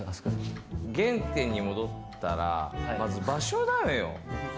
原点に戻ったら、まず場所なのよ。